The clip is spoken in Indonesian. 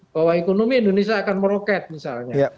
bahwa ekonomi indonesia akan meroket misalnya